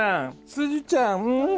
すずちゃんん！